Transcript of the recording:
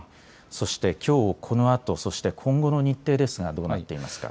そしてきょうこのあと、そして今後の日程ですかどうなっていますか。